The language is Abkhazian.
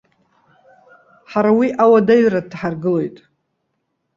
Ҳара уи ауадаҩра дҭаҳаргылоит.